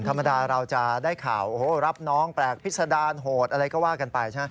ธรรมดาเราจะได้ข่าวรับน้องแปลกพิษดารโหดอะไรก็ว่ากันไปใช่ไหม